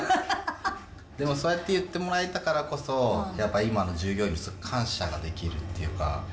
でもそうやって言ってもらえたからこそ、やっぱ今の従業員に感謝ができるっていうか。